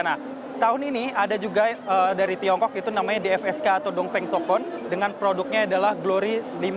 nah tahun ini ada juga dari tiongkok itu namanya dfsk atau dong feng sokon dengan produknya adalah glory lima